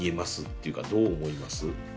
っていうかどう思います？